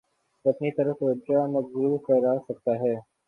تواپنی طرف توجہ مبذول کراسکتاہے۔